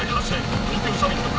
東京サミット